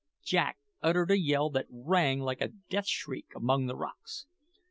Jack uttered a yell that rang like a death shriek among the rocks.